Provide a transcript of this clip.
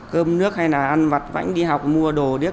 cơm nước hay là ăn vặt vãnh đi học mua đồ điế